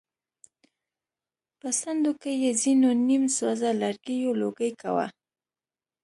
په څنډو کې يې ځېنو نيم سوزه لرګيو لوګی کوه.